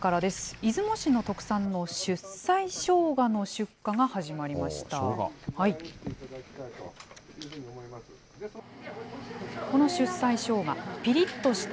出雲市の特産の出西しょうがの出荷が始まりました。